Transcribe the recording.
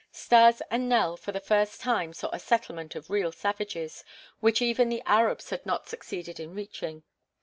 Stas and Nell for the first time saw a settlement of real savages, which even the Arabs had not succeeded in reaching.